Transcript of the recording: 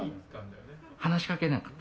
話しかけなかった？